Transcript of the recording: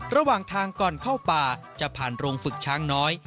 ระหว่างทางก่อนเข้าป่าจะผ่านโรงฝึกช้างน้อย